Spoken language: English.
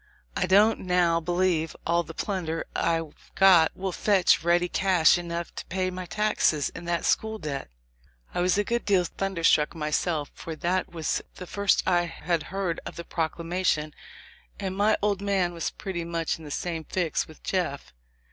I don't now believe all the plunder I've got will fetch ready cash enough to pay my taxes and that school debt." I was a good deal thunderstruck myself ; for that was the first I had heard of the proclamation, and my old man was pretty much in the same fix with Jeff.